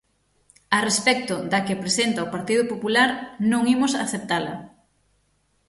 A respecto da que presenta o Partido Popular, non imos aceptala.